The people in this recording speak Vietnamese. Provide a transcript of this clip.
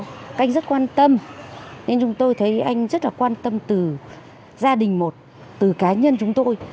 các anh rất quan tâm nên chúng tôi thấy anh rất là quan tâm từ gia đình một từ cá nhân chúng tôi